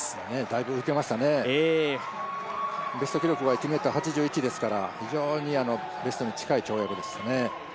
だいぶ浮いていましたね、ベスト記録が１ｍ８１ですから非常にベストに近い跳躍でしたね。